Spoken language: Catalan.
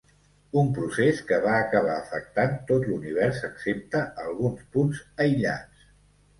Un procés que va acabar afectant tot l’univers excepte alguns punts aïllats.